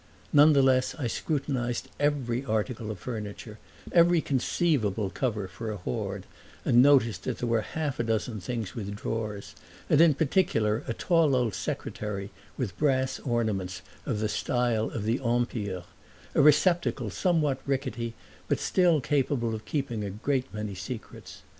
Nonetheless I scrutinized every article of furniture, every conceivable cover for a hoard, and noticed that there were half a dozen things with drawers, and in particular a tall old secretary, with brass ornaments of the style of the Empire a receptacle somewhat rickety but still capable of keeping a great many secrets.